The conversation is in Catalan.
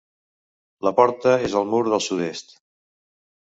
La porta és al mur de sud-est.